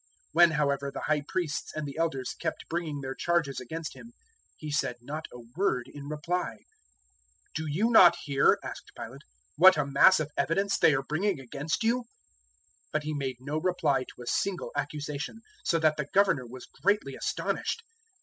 027:012 When however the High Priests and the Elders kept bringing their charges against Him, He said not a word in reply. 027:013 "Do you not hear," asked Pilate, "what a mass of evidence they are bringing against you?" 027:014 But He made no reply to a single accusation, so that the Governor was greatly astonished.